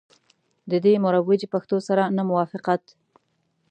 له دې مروجي پښتو سره نه موافقت.